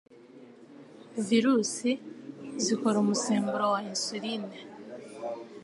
Virusi zikora umusemburo wa insuline